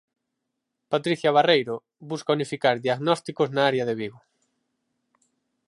Patricia Barreiro, busca unificar diagnósticos na área de Vigo.